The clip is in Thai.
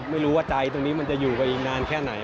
ไม่รู้ว่าใจตรงนี้มันจะอยู่ไปอีกนานแค่ไหน